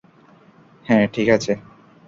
হ্যাঁ, ঠিক কথা।